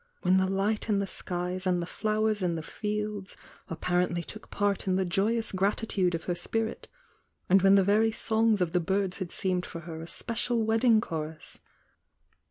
— when the light in the skies and the flowers in the fields apparently took part in the joyous gratitude of her spirit, and when the very songs of the birds had seemed for her a special wedding chorus!